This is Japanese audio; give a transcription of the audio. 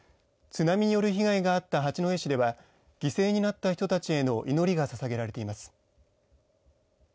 津波による被害があった八戸市では犠牲になった人たちへの祈りがささげられています。